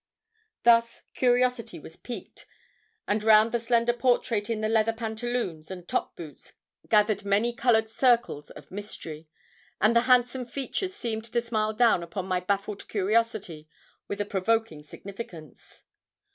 Thus curiosity was piqued; and round the slender portrait in the leather pantaloons and top boots gathered many coloured circles of mystery, and the handsome features seemed to smile down upon my baffled curiosity with a provoking significance.